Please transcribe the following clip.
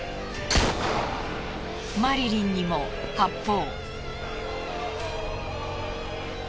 マリリンにも発砲。